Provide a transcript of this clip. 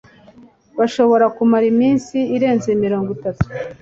bushobora kumara iminsi irenze mirongo itatu